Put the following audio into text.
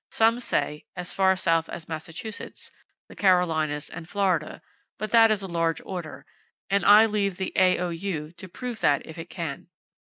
Some say, "as far south as Massachusetts, the Carolinas and Florida," but that is a large order, and I leave the A.O.U. to prove that if it can.